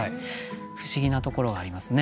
不思議なところがありますね